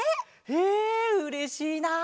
へえうれしいな！